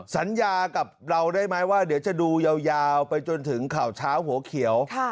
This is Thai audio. สัญญากับเราได้ไหมว่าเดี๋ยวจะดูยาวไปจนถึงข่าวเช้าหัวเขียว